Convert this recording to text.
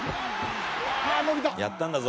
やったんだぞ